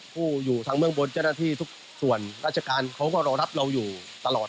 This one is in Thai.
ผู้อยู่ทางเบื้องบนเจ้าหน้าที่ทุกส่วนราชการเขาก็รอรับเราอยู่ตลอด